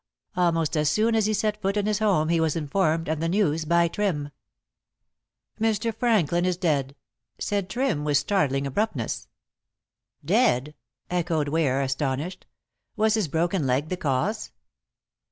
Almost as soon as he set foot in his home he was informed of the news by Trim. "Mr. Franklin is dead," said Trim, with startling abruptness. "Dead!" echoed Ware astonished. "Was his broken leg the cause?"